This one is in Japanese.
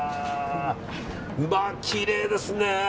まあ、きれいですね。